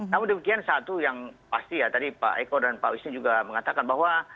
namun demikian satu yang pasti ya tadi pak eko dan pak wisnu juga mengatakan bahwa